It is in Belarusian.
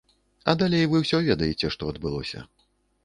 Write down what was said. А далей вы ўсё ведаеце, што адбылося.